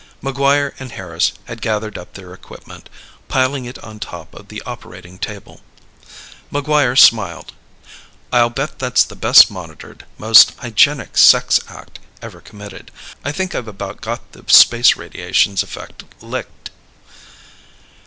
MacGuire and Harris had gathered up their equipment, piling it on top of the operating table. MacGuire smiled. "I'll bet that's the best monitored, most hygienic sex act ever committed. I think I've about got the space radiations effect licked."